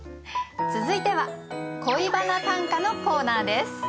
続いては「恋バナ短歌」のコーナーです。